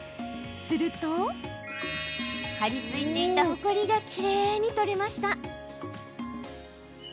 すると張り付いていたほこりがきれいに取れました。